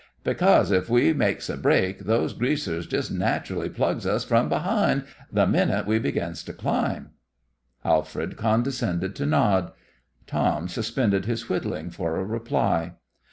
"Because, if we makes a break, those Greasers jest nat'rally plugs us from behind th' minute we begins to climb." Alfred condescended to nod. Tom suspended his whittling for a reply.